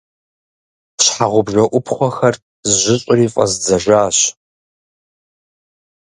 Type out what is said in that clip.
Щхьэгъубжэ ӏупхъуэхэр зжьыщӏри фӏэздзэжащ.